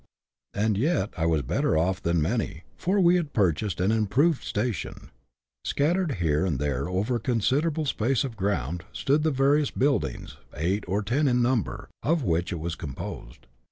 And yet I was better off than many, for we had purchased an " improved station." Scattered here and there over a consider able space of ground, stood the various buildings, eight or ten in number, of which it was composed.